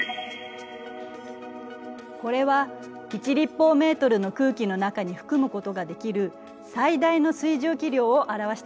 これは１立方メートルの空気の中に含むことができる最大の水蒸気量を表したもの。